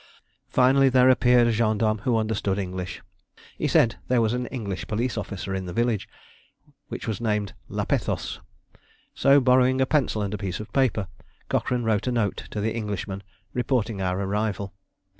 Finally there appeared a gendarme who understood English. He said there was an English police officer in the village, which was named Lapethos; so borrowing a pencil and a piece of paper, Cochrane wrote a note to the Englishman reporting our arrival.